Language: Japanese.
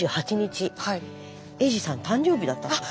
英治さん誕生日だったんです。